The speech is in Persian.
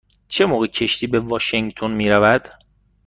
چه موقع کشتی به واشینگتن می رود؟